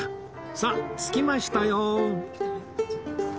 さあ着きましたよ！